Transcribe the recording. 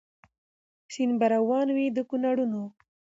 سیند به روان وي د کونړونو